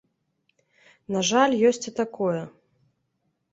На жаль, ёсць і такое.